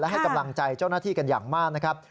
ให้กำลังใจเจ้าหน้าที่กันอย่างมากนะครับ